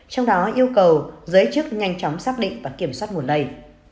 trong đó yêu cầu giới chức nhanh chóng xác định và kiểm soát nguồn lây